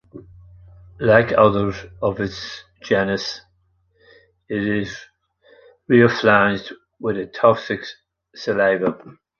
Like others of its genus, it is rear-fanged, with a toxic saliva.